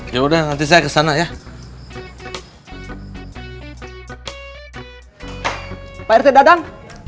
ya udah nanti saya kesana ya pak rt dadang